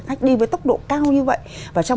khách đi với tốc độ cao như vậy và trong